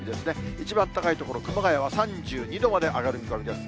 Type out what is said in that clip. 一番高い所、熊谷は３２度まで上がる見込みです。